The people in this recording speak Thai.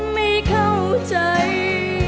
ไม่เข้าใจ